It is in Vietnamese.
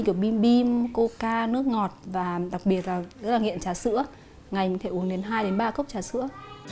kiểu bim bim coca nước ngọt và đặc biệt là rất là nghiện trà sữa ngày thì uống đến hai đến ba cốc trà sữa